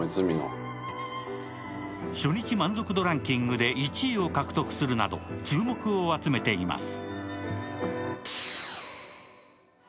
初日満足度ランキングで１位を獲得するなど注目を集めています。